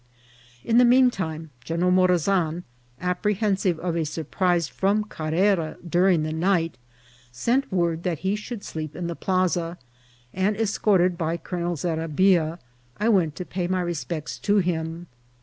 In the mean time, General Morazan, apprehensive of a surprise from Carrera during the night, sent word that he should sleep in the plaza ; and escorted by Colonel Zerabia, I went to pay my respects to him.